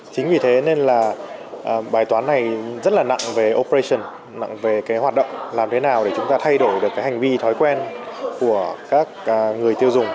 chính vì thế nên là bài toán này rất là nặng về operation nặng về cái hoạt động làm thế nào để chúng ta thay đổi được cái hành vi thói quen của các người tiêu dùng